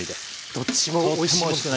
どっちもおいしく。